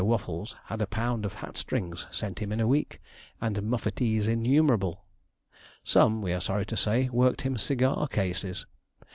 Waffles had a pound of hat strings sent him in a week, and muffatees innumerable. Some, we are sorry to say, worked him cigar cases.